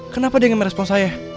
kenapa dia ingin merespon saya